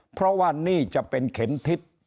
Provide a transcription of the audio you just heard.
เพราะว่านี่จะเป็นเข็มทิศ